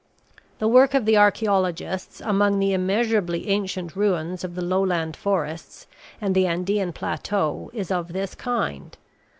The work of the archaeologists among the immeasurably ancient ruins of the low land forests and the Andean plateaux is of this kind.